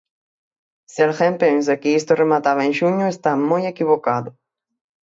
Se alguén pensa que isto remata en xuño está moi equivocado.